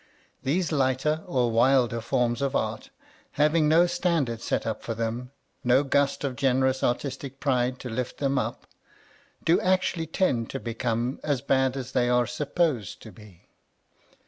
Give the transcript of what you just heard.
These lighter or wilder forms of art, having no standard set up for them, no gust of generous artistic pride to lift them up, do actually tend to become as bad as they are supposed to be.